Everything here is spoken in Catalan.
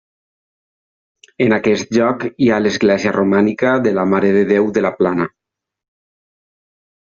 En aquest lloc hi ha l'església romànica de la Mare de Déu de la Plana.